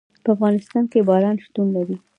په افغانستان کې باران شتون لري.